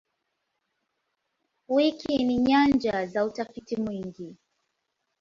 Wiki ni nyanja za utafiti mwingi.